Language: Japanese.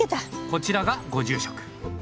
こちらがご住職。